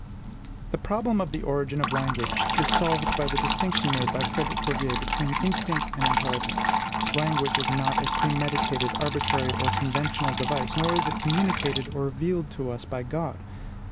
"The problem of the origin of language is solved by the distinction made by Frederic Cuvier between instinct and intelligence. Language is not a premeditated, arbitrary, or conventional device; nor is it communicated or revealed to us by God.